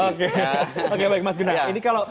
oke baik mas genar